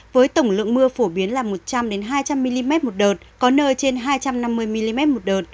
với tổng lượng mưa phổ biến là một trăm linh hai trăm linh mm một đợt có nơi trên hai trăm năm mươi mm một đợt